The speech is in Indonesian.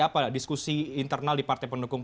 apa diskusi internal di partai pendukung